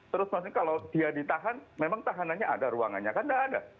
terus maksudnya kalau dia ditahan memang tahanannya ada ruangannya kan tidak ada